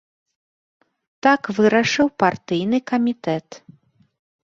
Так вырашыў партыйны камітэт.